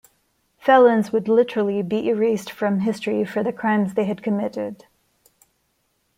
Felons would literally be erased from history for the crimes they had committed.